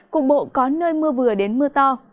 cục bộ có nơi mưa vừa đến mưa to